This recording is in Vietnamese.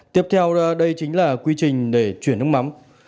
tiếp theo đây chính là quy trình để chuyển nước mắm